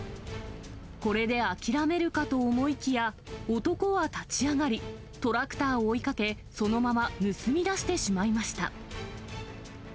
これで諦めるかと思いきや、男は立ち上がり、トラクターを追いかけ、そのまま盗み出してしまいました。